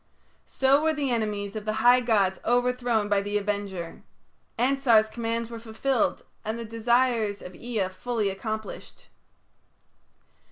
So were the enemies of the high gods overthrown by the Avenger. Ansar's commands were fulfilled and the desires of Ea fully accomplished.